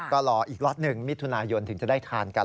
ก็รออีกล็อตหนึ่งมิถุนายนถึงจะได้ทานกัน